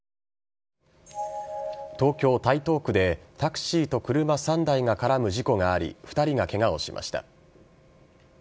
東京・台東区でタクシーと車３台が絡む事故があり２人がケガをしました。